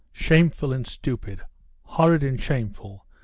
"Shameful and stupid, horrid and shameful!"